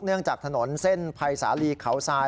เนื่องจากถนนเส้นไพรสาลีเขาซาย